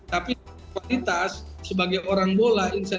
tapi kualitas sebagai orang bola insan bola